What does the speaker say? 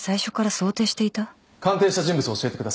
鑑定した人物を教えてください。